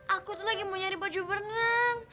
aku tuh lagi mau nyari baju berenang